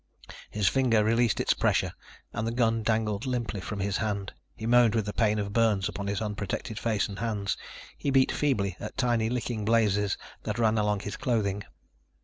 His finger released its pressure and the gun dangled limply from his hand. He moaned with the pain of burns upon his unprotected face and hands. He beat feebly at tiny, licking blazes that ran along his clothing.